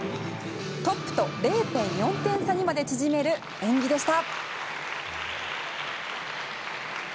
トップと０．４点差にまで縮める演技でした。